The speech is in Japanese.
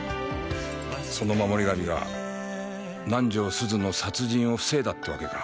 その守り神が南条すずの殺人を防いだってわけか。